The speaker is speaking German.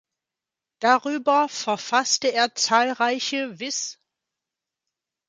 Darüber verfasste er zahlreiche wiss.